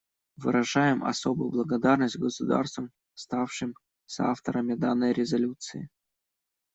Выражаем особую благодарность государствам, ставшим соавторами данной резолюции.